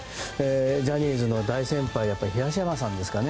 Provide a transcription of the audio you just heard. ジャニーズの大先輩の東山さんですかね。